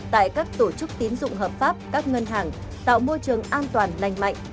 tại các tổ chức tín dụng hợp pháp các ngân hàng tạo môi trường an toàn lành mạnh